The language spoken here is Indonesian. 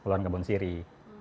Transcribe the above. berarti pengerjaan laporan